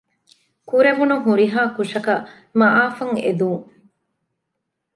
ކުރެވުނު ހުރިހާ ކުށަކަށް މަޢާފަށް އެދުން